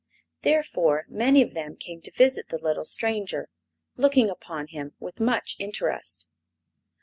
Therefore many of them came to visit the little stranger, looking upon him with much interest.